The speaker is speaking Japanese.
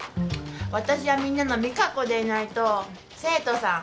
私はみんなのＭＩＫＡＫＯでいないと生徒さん